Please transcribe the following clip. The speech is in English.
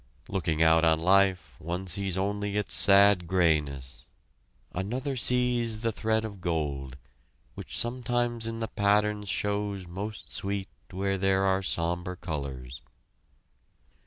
Looking out on life, one sees only its sad grayness; another sees the thread of gold, "which sometimes in the patterns shows most sweet where there are somber colors"!